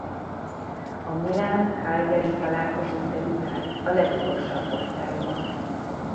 A Milán-Cagliari találkozón debütált a legmagasabb osztályban.